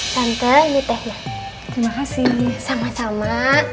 santai tehnya terima kasih sama sama